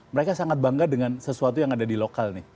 mereka sangat bangga dengan sesuatu yang ada di lokal nih